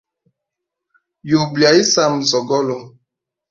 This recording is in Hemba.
Yuba lya isamba nzogolo.